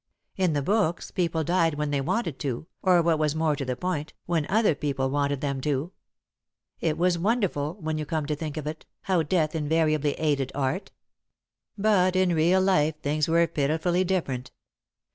In the books, people died when they wanted to, or, what was more to the point, when other people wanted them to. It was wonderful, when you came to think of it, how Death invariably aided Art. But, in real life, things were pitifully different.